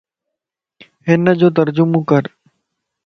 ھن جو ترجمو ڪر